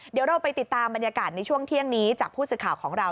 เดี๋ยวเราไปติดตามบรรยากาศในช่วงเที่ยงนี้จากผู้สื่อข่าวของเรา